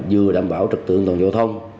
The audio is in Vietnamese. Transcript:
vừa đảm bảo trật tượng toàn giao thông